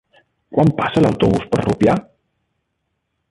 Quan passa l'autobús per Rupià?